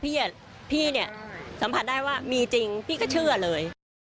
พี่เนี่ยสัมผัสได้ว่ามีจริงพี่ก็เชื่อเลย